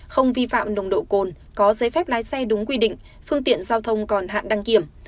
không vi phạm nồng độ cồn có giấy phép lái xe đúng quy định phương tiện giao thông còn hạn đăng kiểm